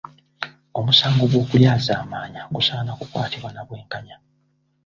Omusango gw’okulyazaamaanya gusaana kukwatibwa na bwenkanya